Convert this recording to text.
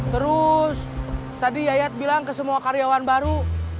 terus tadi yayat bilang ke semua karyawan baru